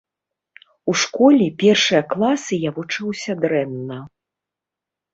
У школе першыя класы я вучыўся дрэнна.